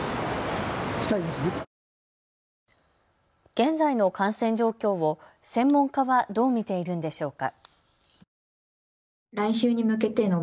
現在の感染状況を専門家はどう見ているんでしょうか。